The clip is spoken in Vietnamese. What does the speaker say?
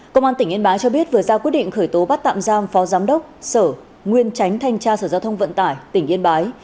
công an tỉnh yên bái cho biết vừa ra quyết định khởi tố bắt tạm giam phó giám đốc sở nguyên tránh thanh tra sở giao thông vận tải tỉnh yên bái